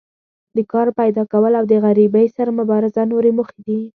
د کار پیداکول او د غریبۍ سره مبارزه نورې موخې دي.